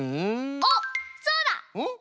あっそうだ！んっ？